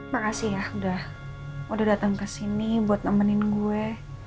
makasih ya udah datang ke sini buat nemenin gue